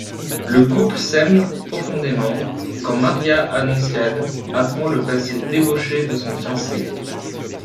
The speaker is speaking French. Le couple s'aime profondément quand Maria-Annonciade apprend le passé débauché de son fiancé.